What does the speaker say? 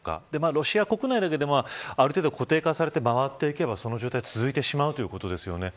ロシア国内だけで、ある程度固定化されて、まわっていけばその状態が続いてしまうということですよね。